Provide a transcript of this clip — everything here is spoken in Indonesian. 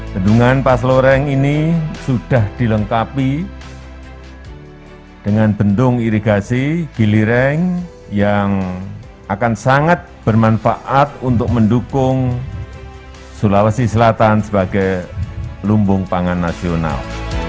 bendungan pasloreng ini sudah dilengkapi dengan bendung irigasi gilireng yang akan sangat bermanfaat untuk mendukung sulawesi selatan sebagai lumbung pangan nasional